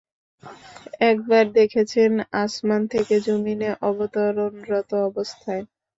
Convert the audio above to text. একবার দেখেছেন আসমান থেকে যমীনে অবতরণরত অবস্থায়।